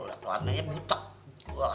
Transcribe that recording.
liat warnanya butuh